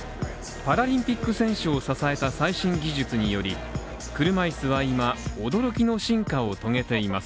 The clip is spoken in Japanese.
パラ選手を支えた最新技術により、車いすは今、驚きの進化を遂げています。